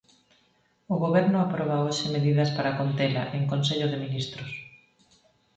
O Goberno aproba hoxe medidas para contela, en Consello de Ministros.